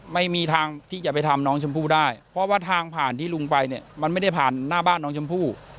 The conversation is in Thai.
ไม่มีทางที่จะไปทำน้องชมพู่ได้เพราะว่าทางผ่านที่ลุงไปเนี่ยมันไม่ได้ผ่านหน้าบ้านน้องชมพู่